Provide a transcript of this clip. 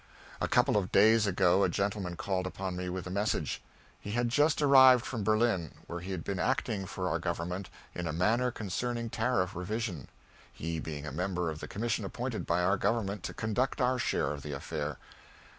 A couple of days ago a gentleman called upon me with a message. He had just arrived from Berlin, where he had been acting for our Government in a matter concerning tariff revision, he being a member of the commission appointed by our Government to conduct our share of the affair.